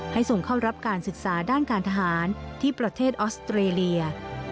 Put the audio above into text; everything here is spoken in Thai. ส่งเข้ารับการศึกษาด้านการทหารที่ประเทศออสเตรเลีย